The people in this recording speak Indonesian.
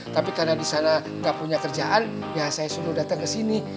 tapi karena disana gak punya kerjaan ya saya suruh datang kesini